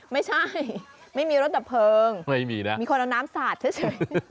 ไม่ใช่ไม่มีรถดับเพลิงไม่มีนะมีคนเอาน้ำสาดเฉย